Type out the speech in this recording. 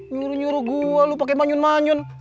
nyuruh nyuruh gua lu pakai manyun manyun